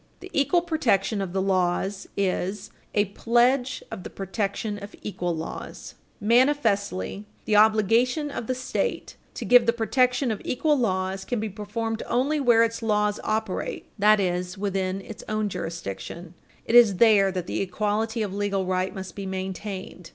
The equal protection of the laws is "a pledge of the protection of equal laws." Yick Wo v. Hopkins, 118 U. S. 356, 118 U. S. 369. Manifestly, the obligation of the State to give the protection of equal laws can be performed only where its laws operate, that is, within its own jurisdiction. It is there that the equality of legal right must be maintained.